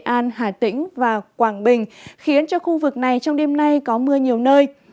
nghệ an hà tĩnh và quảng bình khiến cho khu vực này trong đêm nay có mưa nhiều nơi